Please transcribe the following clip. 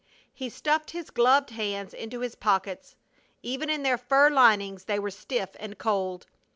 He stuffed his gloved hands into his pockets. Even in their fur linings they were stiff and cold.